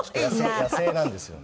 野性なんですよね。